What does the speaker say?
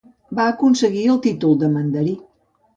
Va aconseguir el títol de mandarí.